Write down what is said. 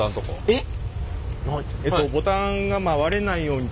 えっ！